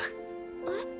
えっ？